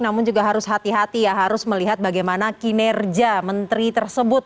namun juga harus hati hati ya harus melihat bagaimana kinerja menteri tersebut